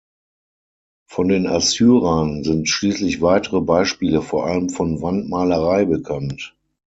Von den Assyrern sind schließlich weitere Beispiele, vor allem von Wandmalerei, bekannt.